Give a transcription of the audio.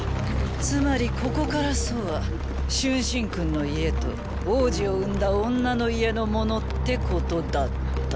つまりここから楚は春申君の家と王子を産んだ女の家のものってことだった。